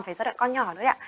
phải giai đoạn con nhỏ nữa ạ